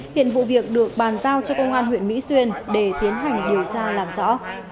hiện vụ việc được bàn giao cho công an huyện mỹ xuyên để tiến hành điều tra làm rõ